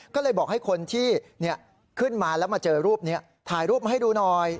ก็เลยบอกให้คนที่ขึ้นมาแล้วมาเจอรูปนี้ถ่ายรูปมาให้ดูหน่อย